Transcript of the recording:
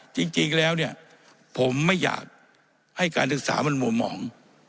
จริงแล้วเนี่ยผมไม่อยากให้การศึกษามันมัวมอง